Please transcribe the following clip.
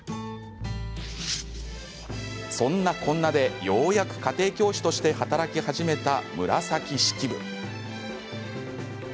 そんなこんなでようやく家庭教師として働き始めた紫式部。